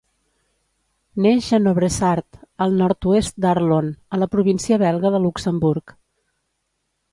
Neix a Nobressart, al nord-oest d'Arlon, a la província belga de Luxemburg.